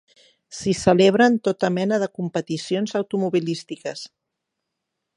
S'hi celebren tota mena de competicions automobilístiques.